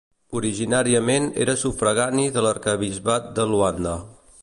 Originàriament era sufragani de l'arquebisbat de Luanda.